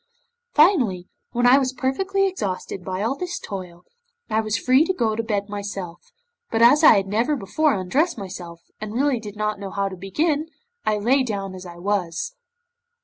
Finally, when I was perfectly exhausted by all this toil, I was free to go to bed myself, but as I had never before undressed myself, and really did not know how to begin, I lay down as I was.